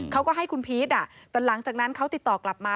เขาก็ให้คุณพีชแต่หลังจากนั้นเขาติดต่อกลับมา